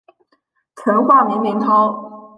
曾化名林涛。